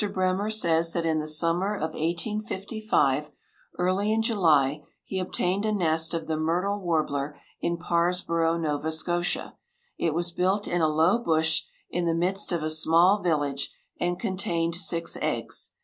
Bremer says that in the summer of 1855, early in July, he obtained a nest of the myrtle warbler in Parsborough, Nova Scotia. It was built in a low bush, in the midst of a small village, and contained six eggs.